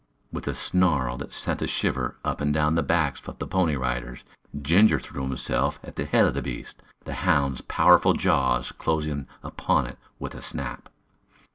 With a snarl that sent a shiver up and down the backs of the Pony Riders, Ginger threw himself at the head of the beast. The hound's powerful jaws closed upon it with a snap.